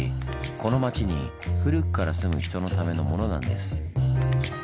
この街に古くから住む人のためのものなんです。